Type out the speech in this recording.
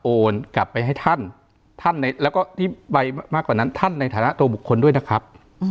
กลับไปให้ท่านท่านแล้วก็ที่ไปมากกว่านั้นท่านในฐานะตัวบุคคลด้วยนะครับ